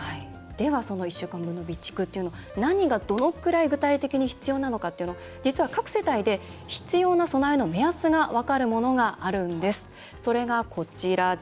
その１週間分の備蓄は何がどのぐらい具体的に必要なのかというのを実は各世帯で必要な備えの目安があるんです。